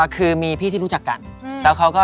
ถึงเป็นภาคของตัวเอง